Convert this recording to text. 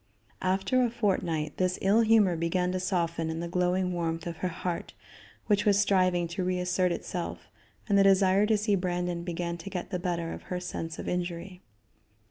After a fortnight, this ill humor began to soften in the glowing warmth of her heart, which was striving to reassert itself, and the desire to see Brandon began to get the better of her sense of injury.